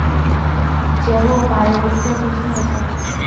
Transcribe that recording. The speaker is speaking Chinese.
奎德林堡的建筑特色为拥有大片的木质结构房屋。